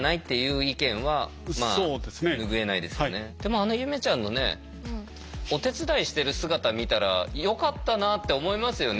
あのゆめちゃんのねお手伝いしてる姿見たらよかったなって思いますよね。